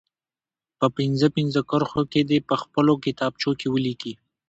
په پنځه پنځه کرښو کې دې په خپلو کتابچو کې ولیکي.